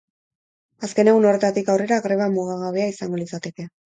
Azken egun horretatik aurrera greba mugagabea izango litzateke.